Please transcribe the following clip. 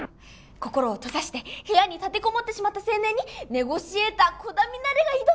心を閉ざして部屋に立てこもってしまった青年にネゴシエーター鼓田ミナレが挑む！